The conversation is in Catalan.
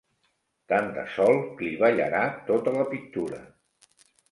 Tant de sol clivellarà tota la pintura.